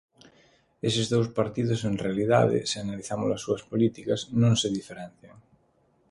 Eses dous partidos en realidade, se analizamos as súas políticas, non se diferencian.